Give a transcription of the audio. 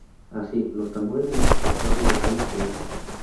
Así, los tambores multiplicado decenas de veces.